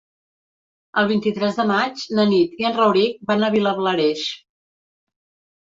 El vint-i-tres de maig na Nit i en Rauric van a Vilablareix.